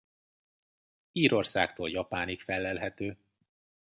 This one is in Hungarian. Írországtól Japánig fellelhető.